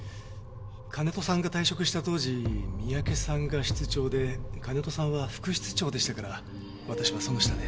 金戸さんが退職した当時三宅さんが室長で金戸さんは副室長でしたから私はその下で。